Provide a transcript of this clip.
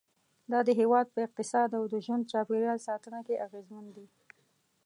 دا د هېواد په اقتصاد او د ژوند چاپېریال ساتنه کې اغیزمن دي.